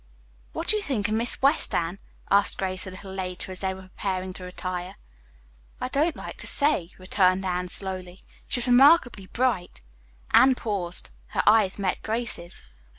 "What do you think of Miss West, Anne?" asked Grace a little later as they were preparing to retire. "I don't like to say," returned Anne slowly. "She's remarkably bright " Anne paused. Her eyes met Grace's.